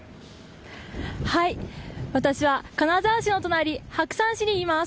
私は金沢市の隣白山市にいます。